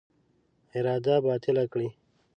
اراده باطله کړي.